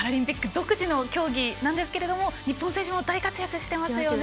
独自の競技なんですけれども日本選手も大活躍していますね。